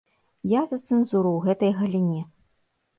Я за цэнзуру ў гэтай галіне.